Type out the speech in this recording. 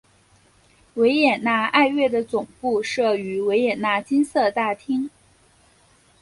维也纳爱乐的总部设于维也纳金色大厅。